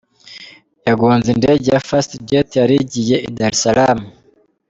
Yagonze indege ya Fast Jet yarigiye i Dar es salaam.